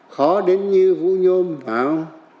khó đến như vũ trụ